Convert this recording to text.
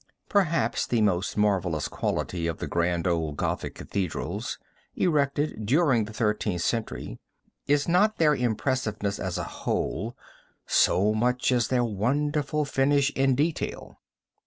Perhaps the most marvelous quality of the grand old Gothic cathedrals, erected during the Thirteenth Century, is not their impressiveness as a whole so much as their wonderful finish in detail.